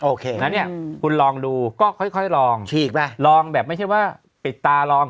โอเคงั้นเนี่ยคุณลองดูก็ค่อยลองฉีกไหมลองลองแบบไม่ใช่ว่าปิดตาลอง